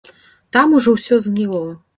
Там ужо ўсё згніло.